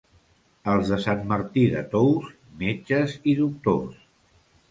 Els de Sant Martí de Tous, metges i doctors.